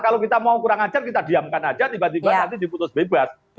kalau kita mau kurang ajar kita diamkan aja tiba tiba nanti diputus bebas